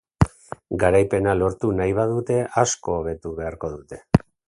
Garaipena lortu nahi badute asko hobetu beharko dute.